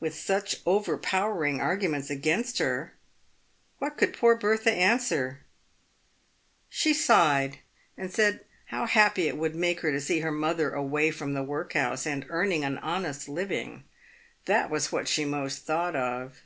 "With such overpowering arguments against her, what could poor Bertha answer? She sighed, and said, " How happy it would make her to see her mother away from the workhouse, and earning an honest living. That was what she most thought of."